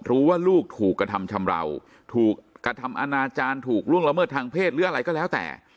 รู้ว่าลูกถูกกระทำชำราวถูกกระทำอนาจารย์ถูกล่วงละเมิดทางเพศหรืออะไรก็แล้วแต่